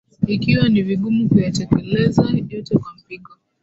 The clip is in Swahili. ikiwa ni vigumu kuyatekeleza yote kwa mpigo